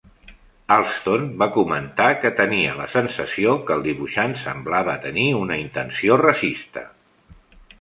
Alston va comentar que tenia la sensació que el dibuixant "semblava tenir una intenció racista".